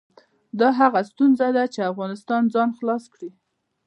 دا هغه ستونزه ده چې افغانستان ځان خلاص کړي.